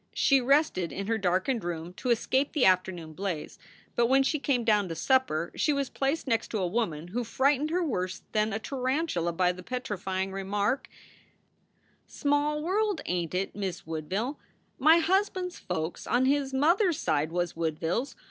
She rested in her darkened room to escape the afternoon blaze, but when she came down to supper she was placed next to a woman who frightened her worse than a tarantula, by the petrifying remark : "Small world, ain t it, Miz Woodville? My husband s folks on his mother s side was Woodvilles.